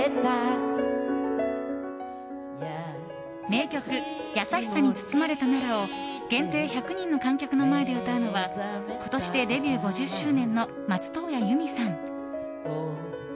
名曲「やさしさに包まれたなら」を限定１００人の観客の前で歌うのは今年でデビュー５０周年の松任谷由実さん。